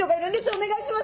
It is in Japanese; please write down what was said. お願いします！